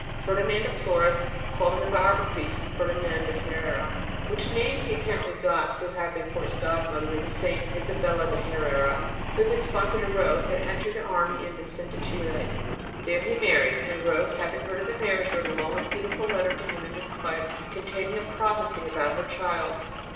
Ferdinand de Flores called in the biographies Ferdinand de Herera, which name he apparently got through having for his godmother the same Isabel de Herera who had been sponsor to Rose had entered the army and been sent to Chili. There he married ; and Rose, having heard of the marriage, wrote a long and beautiful letter to him and his wife, containing a prophecy about her child.